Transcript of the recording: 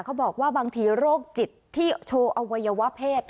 เขาบอกว่าบางทีโรคจิตที่โชว์อวัยวะเพศ